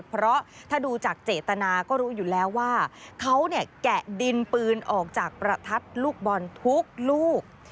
เพราะถ้าดูจากเจตนาก็รู้อยู่แล้วว่าเขาเนี่ยแกะดินปืนออกจากประทัดลูกบอลทุกลูก